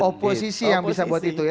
oposisi yang bisa buat itu ya